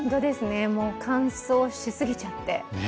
乾燥しすぎちゃって。